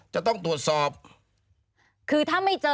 จะตรวจสอบได้